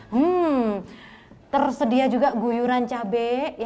hmm tersedia juga guyuran cabai